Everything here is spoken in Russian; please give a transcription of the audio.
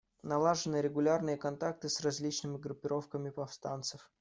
Налажены регулярные контакты с различными группировками повстанцев.